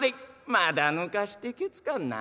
「まだ抜かしてけつかんな。